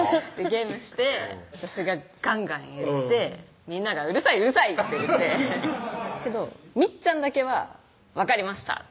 ゲームして私がガンガン言ってみんなが「うるさいうるさい」って言ってけどみっちゃんだけは「分かりました」